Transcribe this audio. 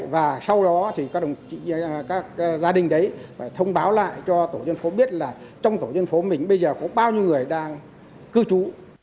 và sau đó thì các gia đình đấy phải thông báo lại cho tổ dân phố biết là trong tổ dân phố mình bây giờ có bao nhiêu người đang cư trú